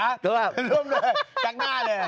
รวมเลยจังหน้าเลยอ่ะ